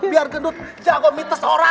biar gendut jangan gue minta seorang